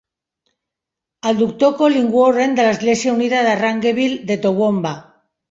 El doctor Colin Warren de l'Església Unida de Rangeville de Toowoomba.